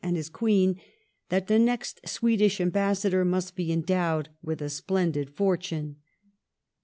and his Queen, that the next Swedish ambassador must be endowed with a splendid fortune.